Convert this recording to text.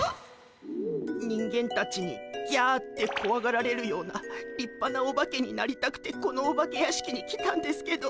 人間たちにギャってこわがられるような立派なオバケになりたくてこのお化け屋敷に来たんですけど。